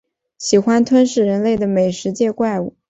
喜欢吞噬人类的美食界怪物。